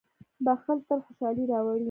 • بښل تل خوشالي راوړي.